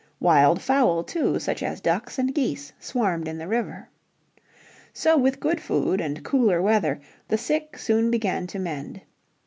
Wild fowl too, such as ducks and geese, swarmed in the river. So with good food and cooler weather the sick soon began to mend.